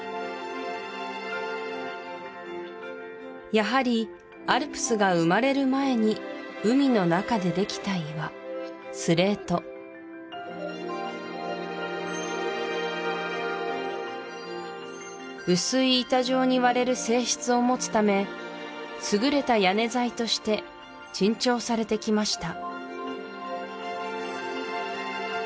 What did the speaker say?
やはりアルプスが生まれる前に海の中でできた岩スレート薄い板状に割れる性質をもつためすぐれた屋根材として珍重されてきました